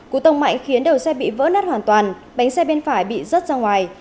cú tông mạnh khiến đầu xe bị vỡ nát hoàn toàn bánh xe bên phải bị rớt ra ngoài